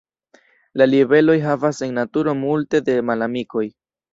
La libeloj havas en naturo multe da malamikoj.